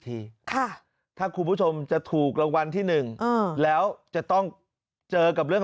ทีค่ะถ้าคุณผู้ชมจะถูกรางวัลที่หนึ่งแล้วจะต้องเจอกับเรื่อง